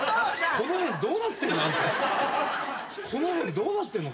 この辺どうなってるの？